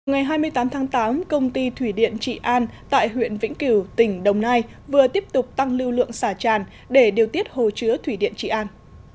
ngày hai mươi tám tháng tám công ty thủy điện trị an tại huyện vĩnh cửu tỉnh đồng nai vừa tiếp tục tăng lưu lượng xả tràn để điều tiết hồ chứa thủy điện trị an